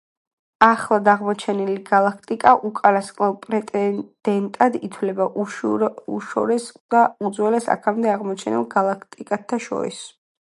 ახლად აღმოჩენილი გალაქტიკა უკანასკნელ პრეტენდენტად ითვლება უშორეს და უძველეს აქამდე აღმოჩენილ გალაქტიკათა შორის.